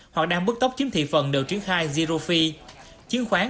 hoặc đang bước tốc chiếm thị phần đều triển khai zero fee